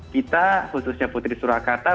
kita khususnya putri surakarta